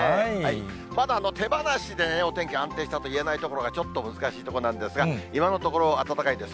まだ手放しでお天気、安定したといえないところが、ちょっと難しいところなんですが、今のところ暖かいです。